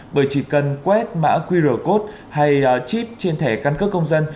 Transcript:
bởi chỉ cần quét mã qr code hay chip trên thẻ căn cước công dân